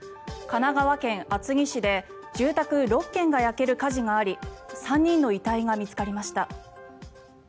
神奈川県厚木市で住宅６軒が焼ける火事があり３人の遺体が見つかりました。